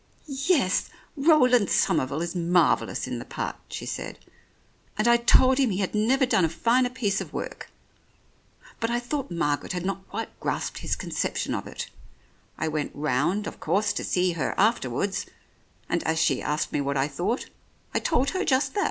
"Yes, Roland Somerville is marvellous in the part," she said, "and I told him he had never done a finer piece of work. But I thought Margaret had not quite grasped his conception of it. I went round, of course, to see her afterwards, and as she asked me what I thought I told her just that."